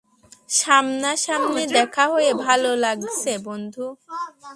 সামনা-সামনি দেখা হয়ে ভালো লাগছে, বন্ধু।